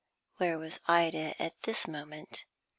Where was Ida at this moment?